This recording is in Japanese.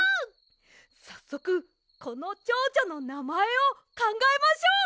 さっそくこのチョウチョのなまえをかんがえましょう！